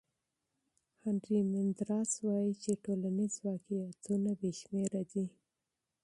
هانري مندراس وایي چې ټولنیز واقعیتونه بې شمېره دي.